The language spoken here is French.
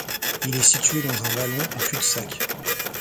Il est situé dans un vallon en cul de sac.